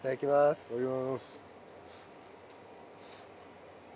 いただきます。